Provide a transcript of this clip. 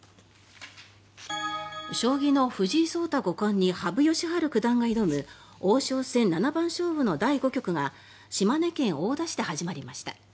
将棋の藤井聡太五冠に羽生善治九段が挑む王将戦七番勝負の第５局が島根県大田市で始まりました。